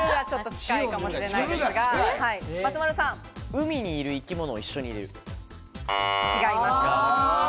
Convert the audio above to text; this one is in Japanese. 海にいる生き物を一緒に入れる。